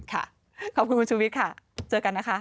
ขอบคุณคุณชูวิทย์ค่ะเจอกันนะคะ